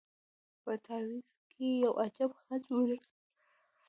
په تعویذ کي یو عجب خط وو لیکلی